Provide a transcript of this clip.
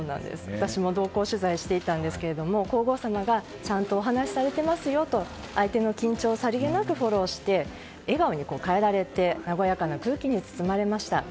私も同行取材していたんですが皇后さまがちゃんとお話しされていますよと相手の緊張をさりげなくフォローして笑顔に変えられて和やかな空気に包まれました。